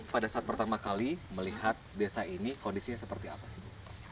pada saat pertama kali melihat desa ini kondisinya seperti apa sih bu